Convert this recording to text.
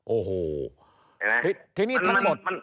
โอ้โหทีนี้ทำไมหมด